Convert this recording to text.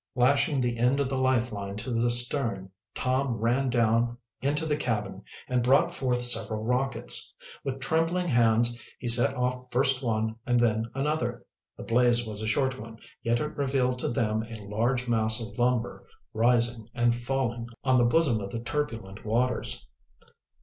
Lashing the end of the lifeline to the stern, Tom ran down into the cabin and brought forth several rockets. With trembling hands he set off first one and then another. The blaze was a short one, yet it revealed to them a large mass of lumber rising and falling on the bosom of the turbulent waters.